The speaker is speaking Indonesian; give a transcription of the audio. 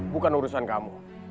bukan urusan kamu